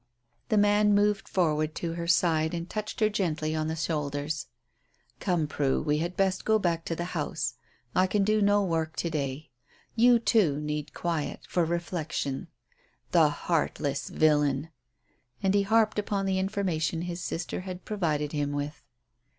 The man moved forward to her side, and touched her gently on the shoulders. "Come, Prue, we had best go back to the house. I can do no work to day. You, too, need quiet for reflection. The heartless villain!" And he harped upon the information his sister had provided him with.